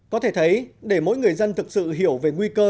có thể thấy để mỗi người dân thực sự hiểu về nguy cơ